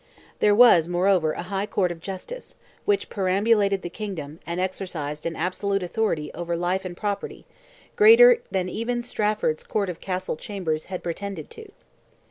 There was, moreover, a High Court of Justice, which perambulated the kingdom, and exercised an absolute authority over life and property, greater than even Strafford's Court of Castle Chamber had pretended to.